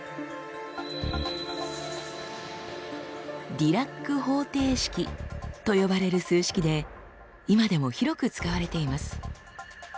「ディラック方程式」と呼ばれる数式で今でも広く使われています。